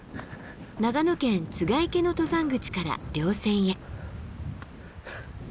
長野県栂池の登山口から稜線へ。